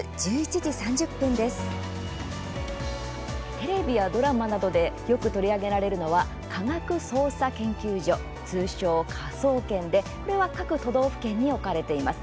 テレビやドラマなどでよく取り上げられるのは科学捜査研究所、通称、科捜研でこれは、各都道府県に置かれています。